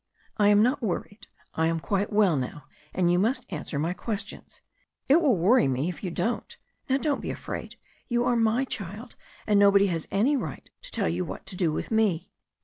"I am not worried. I am quite well now, and you must answer my questions. It will worry me if you don't. Now don't be afraid. You are my child, and nobody has any right to tell you what to do with me.